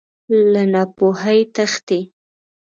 له ناپوهۍ تښتې.